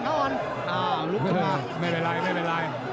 หลุบตรงนี้มา